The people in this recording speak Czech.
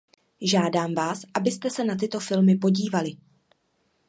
Žádám vás, abyste se na tyto filmy podívali.